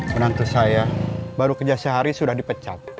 menantu saya baru kerja sehari sudah dipecat